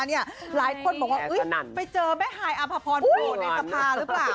หลายคนบอกวะไปเจอแม่ฮายอภพรเกอะในสะพารึเปล่า